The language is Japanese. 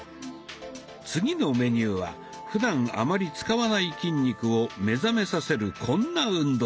次のメニューはふだんあまり使わない筋肉を目覚めさせるこんな運動。